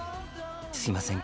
すいません